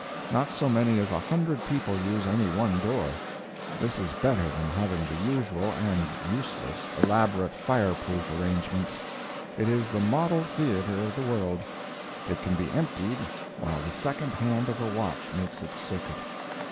Not so many as a hundred people use any one door. This is better than having the usual (and useless) elaborate fireproof arrangements. It is the model theater of the world. It can be emptied while the second hand of a watch makes its circuit.